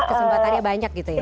kesempatannya banyak gitu ya